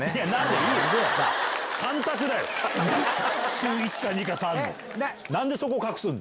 中１か２か３の！